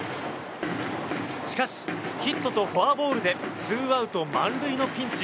しかし、ヒットとフォアボールでツーアウト満塁のピンチ。